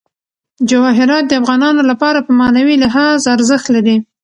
جواهرات د افغانانو لپاره په معنوي لحاظ ارزښت لري.